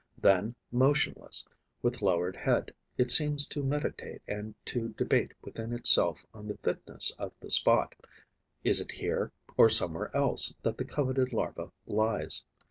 Then, motionless, with lowered head, it seems to meditate and to debate within itself on the fitness of the spot. Is it here or somewhere else that the coveted larva lies?